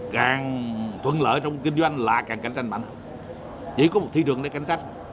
càng thuận lợi trong kinh doanh là càng cảnh tranh mạnh chỉ có một thị trường để cảnh tác